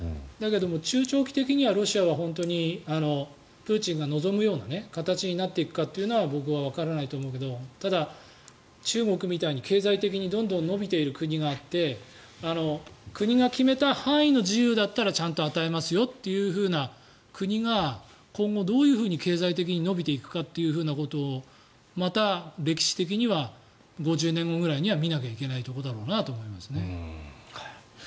だけど、中長期的にはロシアは本当にプーチンが望むような形になっていくかというのは僕はわからないと思うけどただ中国みたいに、経済的にどんどん伸びている国があって国が決めた範囲の自由だったらちゃんと与えますよという国が今後、どういうふうに経済的に伸びていくかをまた歴史的には５０年後ぐらいには見なきゃいけないということだろうなと思います。